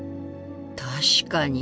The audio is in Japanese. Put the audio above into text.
確かに。